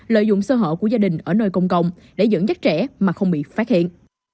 lợi dụng sơ hở của gia đình ở nơi công cộng để dẫn dắt trẻ mà không bị phát hiện